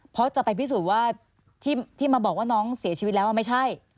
เพราะจะไปพิสูจน์ว่าที่มาบอกว่าน้องเสียชีวิตแล้วไม่ใช่